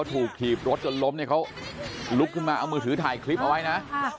ถีบรถจนล้มเนี่ยเขาลุกขึ้นมาเอามือถือถ่ายคลิปเอาไว้นะ